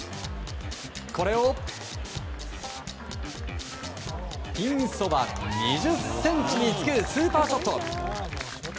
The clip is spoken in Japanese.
これをピンそば２０ｃｍにつけるスーパーショット。